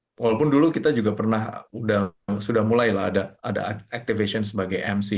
mudah walaupun dulu kita juga pernah udah sudah mulai lah ada ada activation sebagai emsi